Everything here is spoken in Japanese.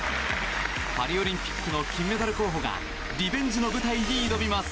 パリオリンピックの金メダル候補がリベンジの舞台に挑みます。